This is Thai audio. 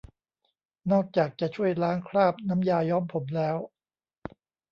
นอกจากจะช่วยล้างคราบน้ำยาย้อมผมแล้ว